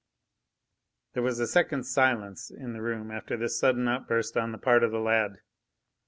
There was a second's silence in the room after this sudden outburst on the part of the lad.